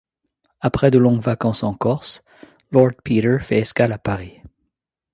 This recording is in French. Après de longues vacances en Corse, Lord Peter fait escale à Paris.